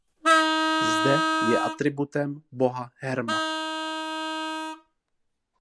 Zde je atributem boha Herma.